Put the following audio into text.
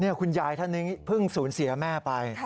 คุณยายท่านนี้เพิ่งสูญเสียแม่ไป